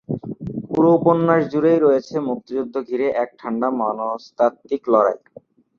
পুরো উপন্যাস জুড়েই রয়েছে মুক্তিযুদ্ধ ঘিরে এক ঠান্ডা মনস্তাত্ত্বিক লড়াই।